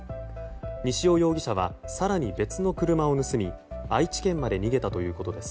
西尾容疑者は更に別の車を盗み愛知県まで逃げたということです。